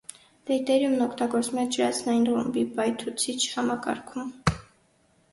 Դեյտերիումն օգտագործվում է ջրածնային ռումբի պայթուցիչ համակարգում։